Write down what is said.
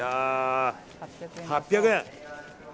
８００円。